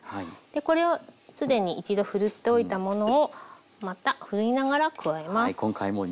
これをすでに一度ふるっておいたものをまたふるいながら加えます。